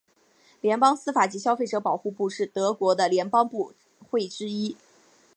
联邦司法及消费者保护部是德国的联邦部会之一。